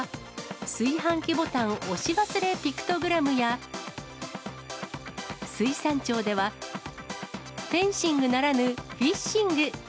炊飯器ボタン押し忘れピクトグラムや、水産庁では、フェンシングならぬフィッシング。